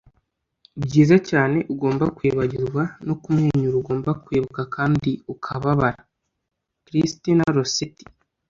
ibyiza cyane ugomba kwibagirwa no kumwenyura ugomba kwibuka kandi ukababara. - christina rossetti